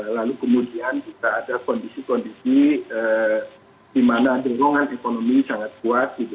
lalu kemudian juga ada kondisi kondisi di mana dorongan ekonomi sangat kuat